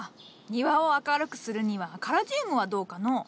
庭を明るくするには「カラジウム」はどうかのう？